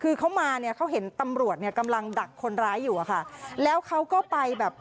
คือเขามาเขาเห็นตำรวจกำลังดักคนร้ายอยู่แล้วเขาก็ไป